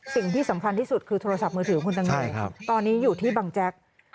สิ่งที่สำคัญที่สุดคือโทรศัพท์มือถือคุณตังโมตอนนี้อยู่ที่บังแจ๊ก